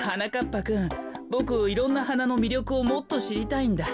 ぱくんボクいろんなはなのみりょくをもっとしりたいんだ。